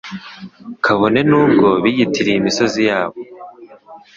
kabone n’ubwo biyitiriye imisozi yabo